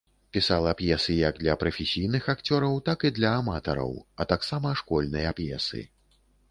Пісала п'есы як для прафесійных акцёраў, так і для аматараў, а таксама школьныя п'есы.